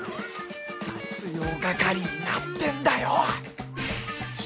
雑用係になってんだよ⁉